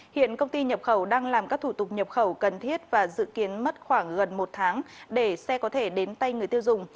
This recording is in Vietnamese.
hiện công ty nhập khẩu đang làm các thủ tục nhập khẩu cần thiết và dự kiến mất khoảng gần một tháng để xe có thể đến tay người tiêu dùng